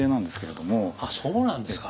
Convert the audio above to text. あっそうなんですか。